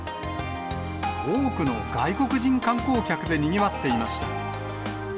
多くの外国人観光客でにぎわっていました。